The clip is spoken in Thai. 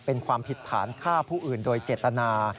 เป็นความผิดฐานฆ่าผู้อื่นโดยเจตนา